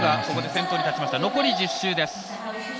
残り１０周です。